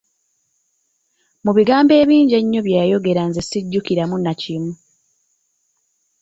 Mu bigambo ebingi ennyo bye yayogera nze sijjukiramu na kimu.